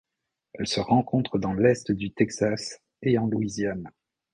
Elle se rencontre dans l'est du Texas et en Louisiane.